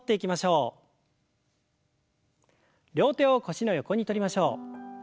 両手を腰の横にとりましょう。